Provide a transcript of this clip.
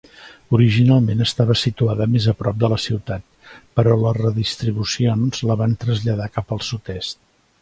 Originalment estava situada més a prop de la ciutat, però les redistribucions la van traslladar cap al sud-est.